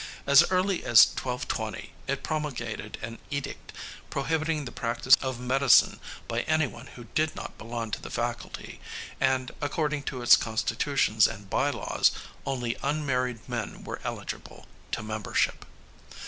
As early as 1220 it promulgated an edict prohibiting the practice of medicine by any one who did not belong to the faculty, and, according to its constitutions and by laws, only unmarried men were eligible to membership.